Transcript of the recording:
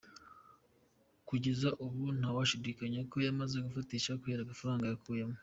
Kugeza ubu nta washidikanya ko yamaze gufatisha kubera agafaranga yakuyemo.